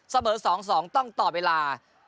สะเบิด๒๒ต้องต่อเวลา